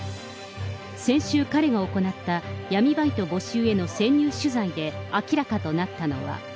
先週、彼が行った闇バイト募集への潜入取材で明らかとなったのは。